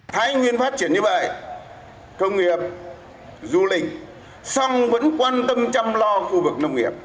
thái nguyên phát triển như vậy công nghiệp du lịch song vẫn quan tâm chăm lo khu vực nông nghiệp